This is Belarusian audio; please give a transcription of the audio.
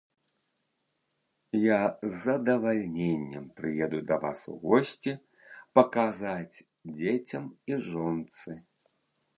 Я з задавальненнем прыеду да вас у госці, паказаць дзецям і жонцы.